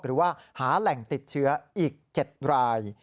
หรือว่าหาแหล่งติดเชื้ออีก๗ราย